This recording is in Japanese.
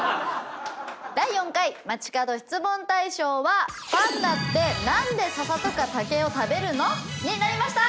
第４回街かど質問大賞は「パンダって何でササとか竹を食べるの？」になりました！